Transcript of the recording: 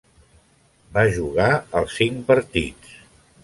Va jugar els cinc partits.